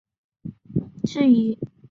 质疑该校的做法可能违规。